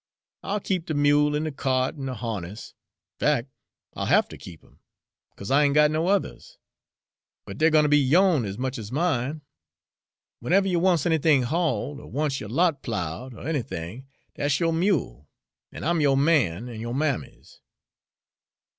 "I'll keep de mule an' de kyart an' de harness fac', I'll have ter keep 'em, 'cause I ain't got no others. But dey 're gwine ter be yo'n ez much ez mine. W'enever you wants anything hauled, er wants yo' lot ploughed, er anything dat's yo' mule, an' I'm yo' man an' yo' mammy's."